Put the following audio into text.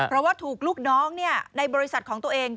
เพราะว่าถูกลูกน้องในบริษัทของตัวเอง